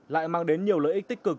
lại mang đến nhiều lợi ích tích cực